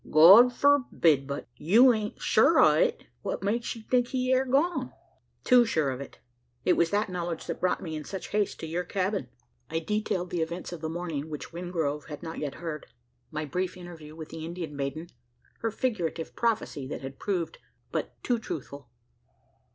"God forbid! But you ain't sure o' it? What makes you think he air gone?" "Too sure of it it was that knowledge that brought me in such haste to your cabin." I detailed the events of the morning, which Wingrove had not yet heard; my brief interview with the Indian maiden her figurative prophecy that had proved but two truthful.